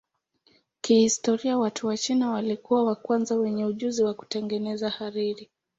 Kihistoria watu wa China walikuwa wa kwanza wenye ujuzi wa kutengeneza hariri.